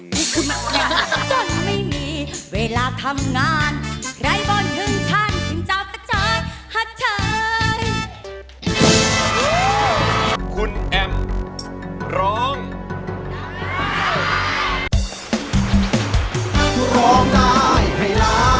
นี่คือมันนี่จนไม่มีเวลาทำงานใครบ่นถึงฉันถึงเจ้าแต่ชายหักชาย